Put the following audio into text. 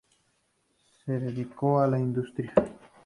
Se dedicó a la Industria.